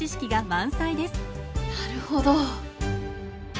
なるほど。